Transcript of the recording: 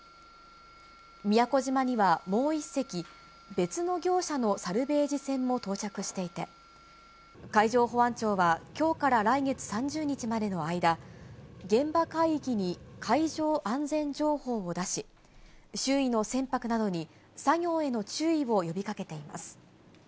宮古島にはもう１隻、別の業者のサルベージ船も到着していて、海上保安庁は、きょうから来月３０日までの間、現場海域に海上安全情報を出し、周囲の船舶などに作業への注意を呼びかけています。